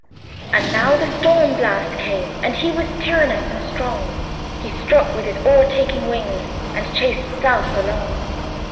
And now the STORM BLAST came, and he Was tyrannous and strong: He struck with his o'ertaking wings, And chased south along.